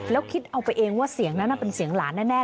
แล้วคิดเอาไปเองว่าเสียงนั้นเป็นเสียงหลานแน่